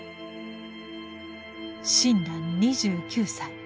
親鸞２９歳。